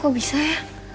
kok bisa ya